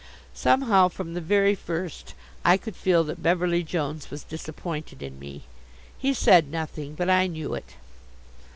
Somehow from the very first I could feel that Beverly Jones was disappointed in me. He said nothing. But I knew it.